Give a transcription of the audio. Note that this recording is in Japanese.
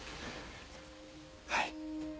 はい。